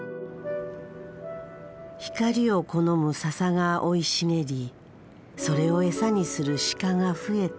光を好む笹が生い茂りそれを餌にする鹿が増えた。